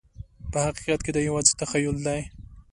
په حقیقت کې دا یوازې تخیل دی.